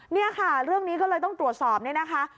นี่ค่ะเรื่องนี้ก็เลยต้องตรวจสอบนี่นะคะ